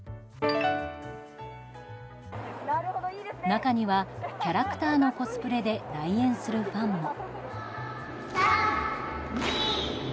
中には、キャラクターのコスプレで来園するファンも。